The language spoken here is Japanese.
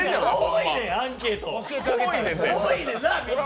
多いで、アンケート。